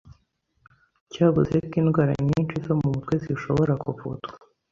cyavuze ko indwara nyinshi zo mu mutwe zishobora kuvurwa.